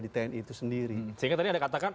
di tni itu sendiri sehingga tadi anda katakan